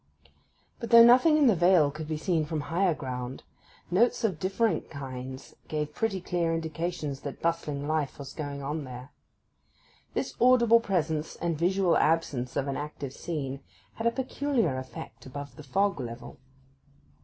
But though nothing in the vale could be seen from higher ground, notes of differing kinds gave pretty clear indications that bustling life was going on there. This audible presence and visual absence of an active scene had a peculiar effect above the fog level.